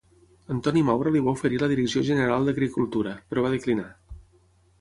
Antoni Maura li va oferir la direcció general d'agricultura, però va declinar.